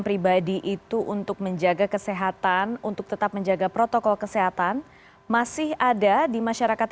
pribadi itu untuk menjaga kesehatan untuk tetap menjaga protokol kesehatan masih ada di masyarakat